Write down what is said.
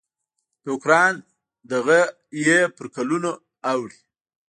د اوکراین دغه یې پر کلونو اوړي.